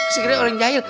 sekiranya orang jahil